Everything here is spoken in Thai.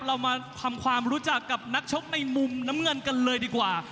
เรามาทำความรู้จักกับนักชกในมุมน้ำเงินกันเลยดีกว่า